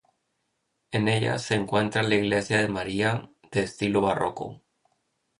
En ella se encuentra la Iglesia de María, de estilo barroco.